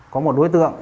có một đối tượng